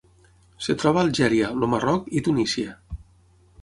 Es troba a Algèria, el Marroc i Tunísia.